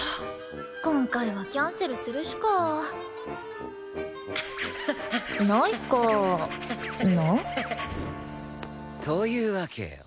今回はキャンセルするしかないかな？というわけよ！